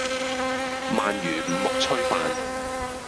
鰻魚五目炊飯